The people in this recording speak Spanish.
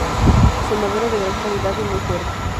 Su madera es de gran calidad y muy fuerte.